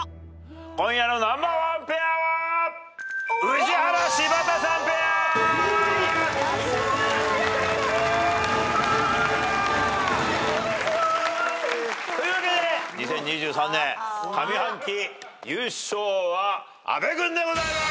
今夜のナンバーワンペアは。というわけで２０２３年上半期優勝は阿部君でございます。